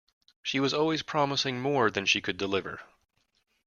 She was always promising more than she could deliver.